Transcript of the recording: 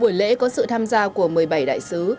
buổi lễ có sự tham gia của một mươi bảy đại sứ